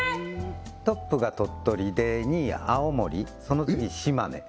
トップが鳥取で２位青森その次島根